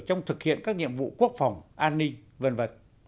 trong thực hiện các nhiệm vụ quốc phòng an ninh v v